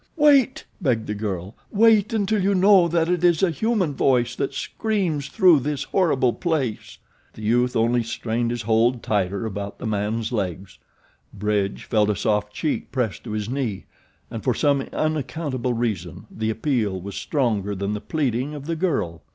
"Wait!" begged the girl. "Wait until you know that it is a human voice that screams through this horrible place." The youth only strained his hold tighter about the man's legs. Bridge felt a soft cheek pressed to his knee; and, for some unaccountable reason, the appeal was stronger than the pleading of the girl.